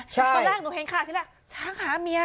ตอนแรกหนูเห็นข่าวทีแรกช้างหาเมีย